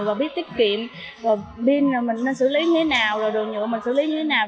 và biết tiết kiệm rồi pin rồi mình nên xử lý như thế nào rồi đồ nhựa mình xử lý như thế nào